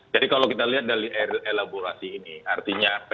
jadi kalau kita lihat dari elaborasi ini artinya